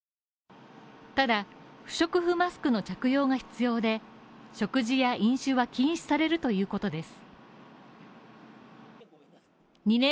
ただ、不織布マスクの着用が必要で、食事や飲酒は禁止されるということです。